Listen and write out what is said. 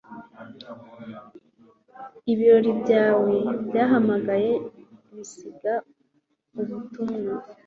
Ibiro byawe byahamagaye bisiga ubutumwa.